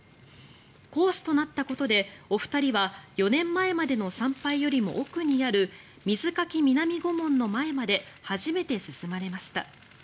皇嗣となったことでお二人は４年前までの参拝よりも奥にある瑞垣南御門の前まで初めて進まれました。